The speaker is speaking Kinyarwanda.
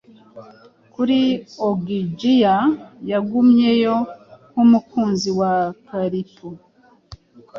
kuri Ogygia, yagumyeyo nk'umukunzi wa Calypo.